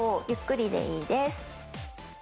ゆっくりでいいです。